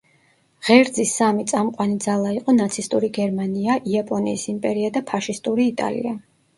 ღერძის სამი წამყვანი ძალა იყო ნაცისტური გერმანია, იაპონიის იმპერია და ფაშისტური იტალია.